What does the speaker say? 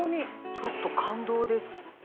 ちょっと感動です。